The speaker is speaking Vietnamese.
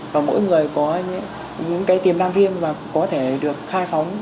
mỗi người có những tiềm năng riêng và có thể được khai phóng